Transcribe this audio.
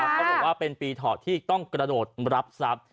เขาบอกว่าเป็นปีเถาะที่ต้องกระโดดรับทรัพย์